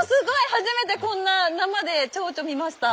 初めてこんな生でチョウチョ見ました。